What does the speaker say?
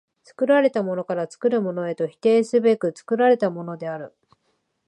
作られたものから作るものへと否定すべく作られたものである。